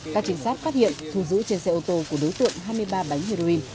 các trinh sát phát hiện thu giữ trên xe ô tô của đối tượng hai mươi ba bánh heroin